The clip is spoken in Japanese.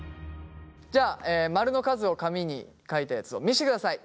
じゃあマルの数を紙に書いたやつを見せてください。